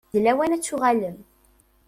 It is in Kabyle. D lawan ad tuɣalem.